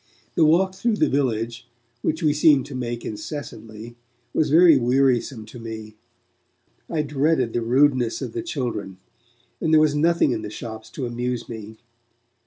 The walk through the village, which we seemed make incessantly, was very wearisome to me. I dreaded the rudeness of the children, and there was nothing in the shops to amuse me.